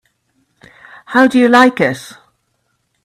How do you like it?